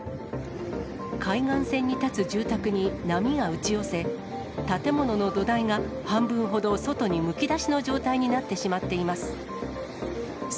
海岸線に建つ住宅に波が打ち寄せ、建物の土台が半分ほど外にむき出しの状態になってしまっています。